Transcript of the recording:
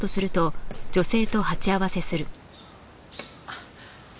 あっ。